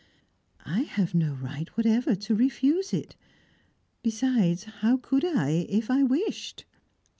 "I have no right whatever to refuse it. Besides, how could I, if I wished?